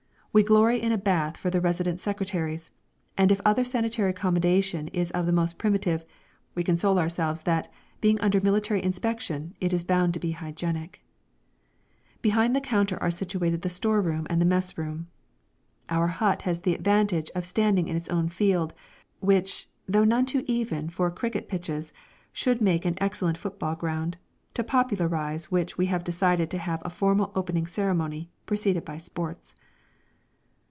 We glory in a bath for the resident secretaries, and if other sanitary accommodation is of the most primitive, we console ourselves that, being under military inspection, it is bound to be hygienic. [Illustration: OUR NEW HUT] [Illustration: INTERIOR OF A HUT Behind the counter are situated the store room and the mess room] Our hut has the advantage of standing in its own field, which, though none too even for cricket pitches, should make an excellent football ground, to popularise which we have decided to have a formal opening ceremony, preceded by sports.